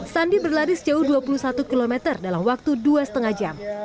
sandi berlari sejauh dua puluh satu km dalam waktu dua lima jam